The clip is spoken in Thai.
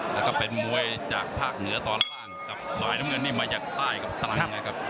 แล้วก็เป็นมวยจากภาคเหนือตอนล่างกับฝ่ายน้ำเงินนี่มาจากใต้กับตรังไงครับ